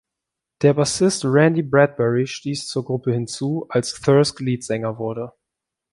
Der Bassist Randy Bradbury stieß zur Gruppe hinzu, als Thirsk Leadsänger wurde.